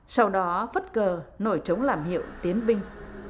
sau đó phất cờ nổi trống làm hiệu tiến binh